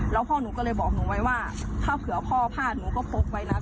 และพ่อโทษศุรเดชบอกว่าวันนี้ก็เหมือนและไม่ทำด้วย